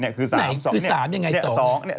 ไหนคือ๓ยังไง๒